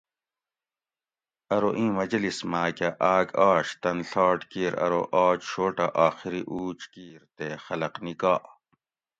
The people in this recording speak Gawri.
ارو اِیں مجلِس ماۤکہ آۤک آش تۤن ڷاٹ کِیر ارو آج شوٹہ آخری اُوج کِیر تے خلق نِکا